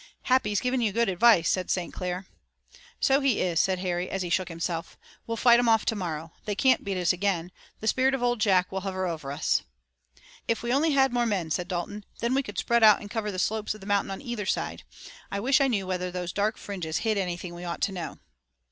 "Happy's giving you good advice," said St. Clair. "So he is," said Harry, as he shook himself. "We'll fight 'em off tomorrow. They can't beat us again. The spirit of Old Jack will hover over us." "If we only had more men," said Dalton. "Then we could spread out and cover the slopes of the mountains on either side. I wish I knew whether those dark fringes hid anything we ought to know."